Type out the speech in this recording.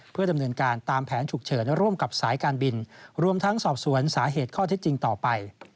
เพื่อดำเนินการตามแผนฉุกเฉินร่วมกับสายการบินรวมทั้งสอบสวนสาเหตุข้อเท็จจริงต่อไป